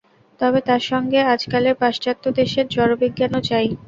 তবে তার সঙ্গে আজকালের পাশ্চাত্য দেশের জড়বিজ্ঞানও চাই।